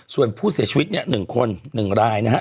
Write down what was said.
ส่วนผู้เสียชีวิตเนี่ย๑คน๑รายนะฮะ